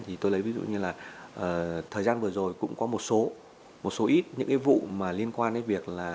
thì tôi lấy ví dụ như là thời gian vừa rồi cũng có một số ít những vụ liên quan đến việc